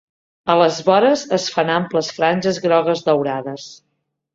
A les vores es fan amples franges grogues daurades.